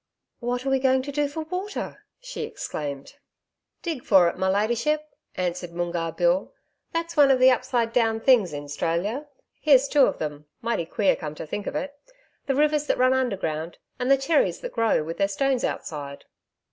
'What are we going to do for water?' she exclaimed. 'Dig for it, my ladyship,' answered Moongarr Bill. 'That's one of the upside down things in 'Stralia. Here's two of them mighty queer, come to think of it the rivers that run underground and the cherries that grow with their stones outside.'